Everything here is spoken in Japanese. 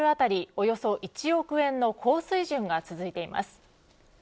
およそ１億円の高水準が続いています。